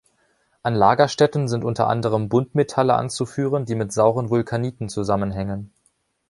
An Lagerstätten sind unter anderem Buntmetalle anzuführen, die mit sauren Vulkaniten zusammenhängen.